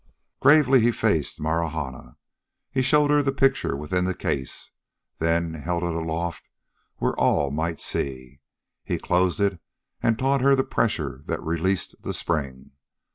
Gravely he faced Marahna. He showed her the picture within the case, then held it aloft where all might see. He closed it and taught her the pressure that released the spring.